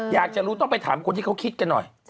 อยากจะรู้ต้องไปถามคนที่เขาคิดกันหน่อย